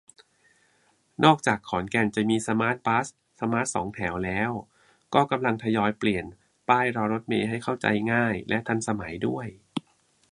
นอกจากขอนแก่นจะมีสมาร์ทบัส สมาร์ทสองแถวแล้ว ก็กำลังทยอยเปลี่ยนป้ายรอเมล์ให้เข้าใจง่าย และทันสมัยด้วย